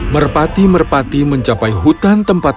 merpati merpati mencapai hutan tempat